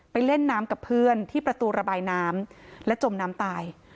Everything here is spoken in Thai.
เล่นน้ำกับเพื่อนที่ประตูระบายน้ำและจมน้ำตาย